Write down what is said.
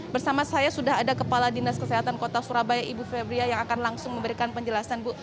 bersama saya sudah ada kepala dinas kesehatan kota surabaya ibu febria yang akan langsung memberikan penjelasan bu